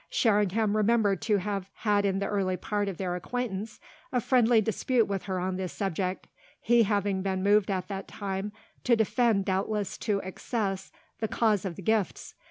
Sherringham remembered to have had in the early part of their acquaintance a friendly dispute with her on this subject, he having been moved at that time to defend doubtless to excess the cause of the gifts.